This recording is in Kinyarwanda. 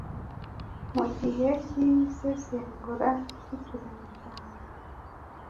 mu gihe k’isesengura ry’uturemajambo.